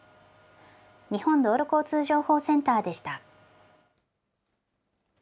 日本道路交通情報センターでした。